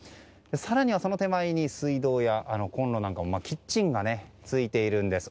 更に、その手前に水道やコンロなどキッチンがついているんです。